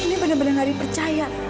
ini benar benar harus dipercaya